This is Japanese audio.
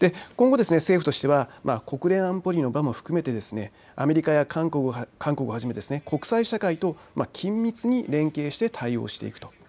今後政府としては国連安保理の場も含めてアメリカや韓国をはじめ国際社会と緊密に連携して対応していくと。